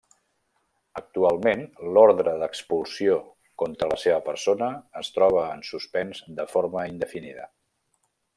Actualment, l'ordre d'expulsió contra la seva persona es troba en suspens de forma indefinida.